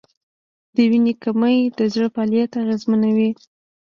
د وینې کمی د زړه فعالیت اغېزمنوي.